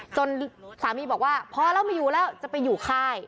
จนสามีบอกว่าพอแล้วไม่อยู่แล้วจะไปอยู่ค่าย